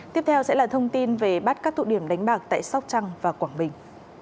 tiếp theo sẽ là thông tin về bắt các tụ điểm đánh bạc tại sóc trăng và quảng bình